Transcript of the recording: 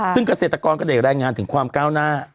ซึ่งเกษตรกรก็ได้รายงานถึงความก้าวหน้า